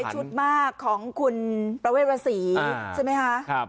มีหลายชุดมากของคุณประเวศวาษีใช่ไหมฮะ